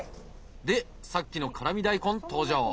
でさっきの辛味大根登場。